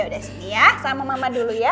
udah sini ya sama mama dulu ya